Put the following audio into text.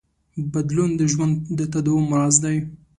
بدلون د ژوند د تداوم راز دی.